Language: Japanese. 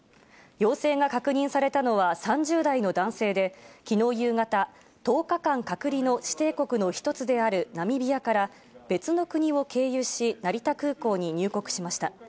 陽性が確認されたのは、３０代の男性で、きのう夕方、１０日間隔離の指定国の一つであるナミビアから、別の国を経由し、成田空港に入国しました。